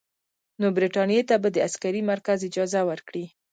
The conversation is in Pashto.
نو برټانیې ته به د عسکري مرکز اجازه ورکړي.